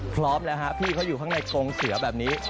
พร้อมแล้วฮะพี่เขาอยู่ข้างในกงเสือแบบนี้